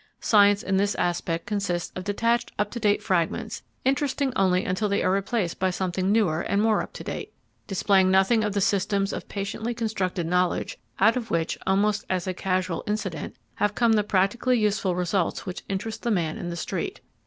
Science, in this aspect, consists of detached up to date fragments, interesting only until they are replaced by something newer and more up to date, displaying nothing of the systems of patiently constructed knowledge out of which, almost as a casual incident, have come the practically useful results which interest the man in the street.